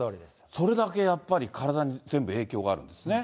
それだけやっぱり体に全部影響があるんですね。